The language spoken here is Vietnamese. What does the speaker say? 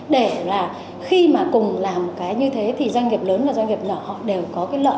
để là khi mà cùng làm cái như thế thì doanh nghiệp lớn và doanh nghiệp nhỏ họ đều có cái lợi